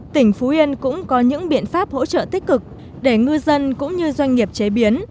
tỉnh phú yên cũng có những biện pháp hỗ trợ tích cực để ngư dân cũng như doanh nghiệp chế biến